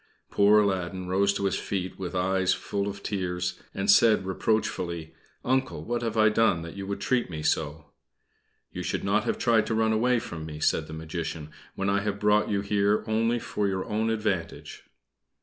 Poor Aladdin rose to his feet with eyes full of tears, and said, reproachfully "Uncle, what have I done that you should treat me so?" "You should not have tried to run away from me," said the Magician, "when I have brought you here only for your own advantage.